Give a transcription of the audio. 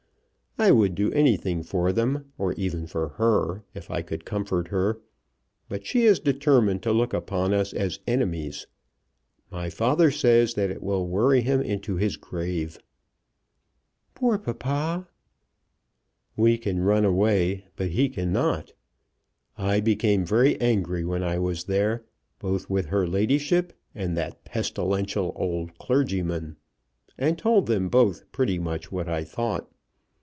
I would do anything for them, or even for her, if I could comfort her; but she is determined to look upon us as enemies. My father says that it will worry him into his grave." "Poor papa!" "We can run away, but he can not. I became very angry when I was there, both with her ladyship and that pestilential old clergyman, and told them both pretty much what I thought.